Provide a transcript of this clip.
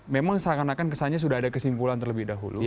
memang seakan akan kesannya sudah ada kesimpulan terlebih dahulu